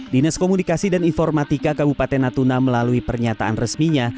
dinas komunikasi dan informatika kabupaten natuna melalui pernyataan resminya